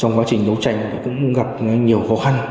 trong quá trình đấu tranh cũng gặp nhiều khó khăn